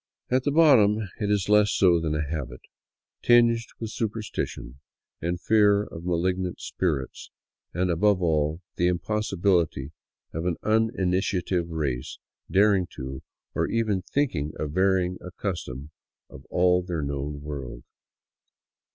At bottom it is less so than a habit, tinged with superstition and fear of malignant spirits, and above all the impossibility of an uninitiative race daring to, or even thinking of varying a custom of all their known world.